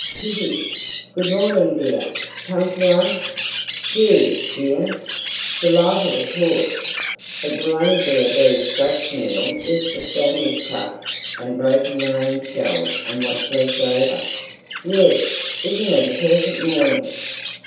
Kitty? Good morning, dear. Come to lunch? Do, dear. Delighted of course. It will only be a very scratch meal—just the sandwich crusts and broken meringue shells and what's left over. Yes, isn't it a perfect morning?